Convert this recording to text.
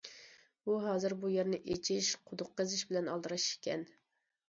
ئۇ ھازىر بۇ يەرنى ئېچىش، قۇدۇق قېزىش بىلەن ئالدىراش ئىكەن.